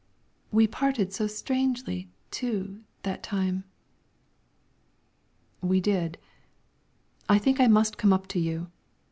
"We parted so strangely, too, that time." "We did. I think I must come up to you!"